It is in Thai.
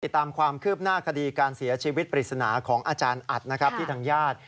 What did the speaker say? ตามความคืบหน้าคดีการเสียชีวิตปริศนาของอาจารย์อัดนะครับที่ทางญาติ